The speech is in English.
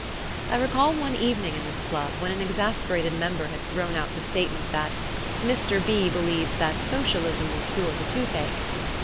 I recall one evening in this club when an exasperated member had thrown out the statement that "Mr. B. believes that socialism will cure the toothache."